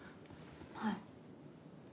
はい。